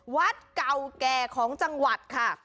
วัดเก่าแก่ของจังหวัดค่ะ